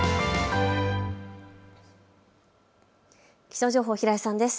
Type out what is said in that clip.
気象情報、平井さんです。